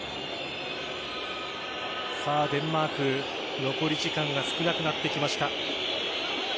デンマーク残り時間が少なくなってきました。